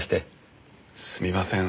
すみません